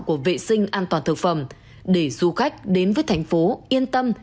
của vệ sinh an toàn thực phẩm để du khách đến với thành phố yên tâm